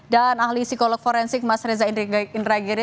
dan ahli psikolog forensik mas reza indra giri